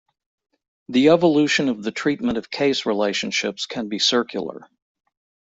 The evolution of the treatment of case relationships can be circular.